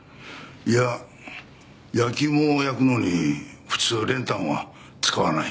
いや焼き芋を焼くのに普通練炭は使わない。